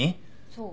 そう。